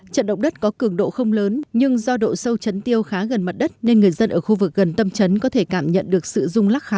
trận động đất có cường độ không lớn nhưng do độ sâu chấn tiêu khá gần mặt đất nên người dân ở khu vực gần tâm chấn có thể cảm nhận được sự rung lắc khá rõ